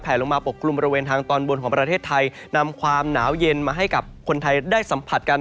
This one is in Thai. ลงมาปกกลุ่มบริเวณทางตอนบนของประเทศไทยนำความหนาวเย็นมาให้กับคนไทยได้สัมผัสกัน